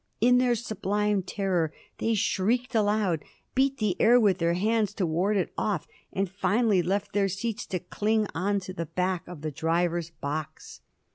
In their sublime terror they shrieked aloud, beat the air with their hands to ward it off, and finally left their seats to cling on to the back of the driver's box.